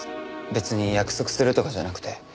別に約束するとかじゃなくて。